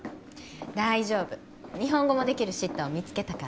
大丈夫日本語もできるシッターを見つけたから